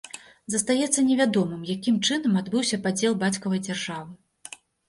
Застаецца невядомым, якім чынам адбыўся падзел бацькавай дзяржавы.